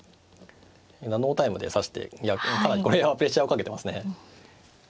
ノータイムで指してかなりこれはプレッシャーをかけてますね。